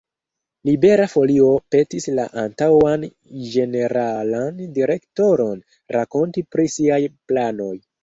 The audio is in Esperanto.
Libera Folio petis la antaŭan ĝeneralan direktoron rakonti pri siaj planoj.